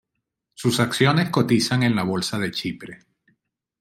Sus acciones cotizan en la bolsa de Chipre.